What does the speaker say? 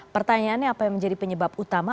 pertanyaannya apa yang menjadi penyebab utama